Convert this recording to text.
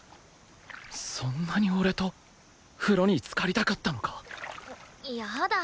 そんなに俺と風呂につかりたかったのか？やだ！